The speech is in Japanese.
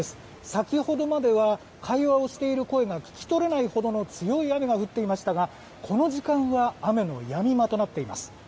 先ほどまでは会話をしている声が聞き取れないほどの強い雨が降っていましたがこの時間は雨も、やみ間となっています。